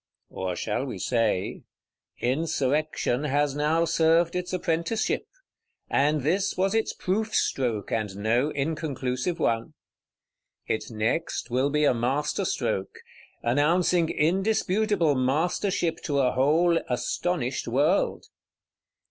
Or shall we say: Insurrection has now served its Apprenticeship; and this was its proof stroke, and no inconclusive one? Its next will be a master stroke; announcing indisputable Mastership to a whole astonished world.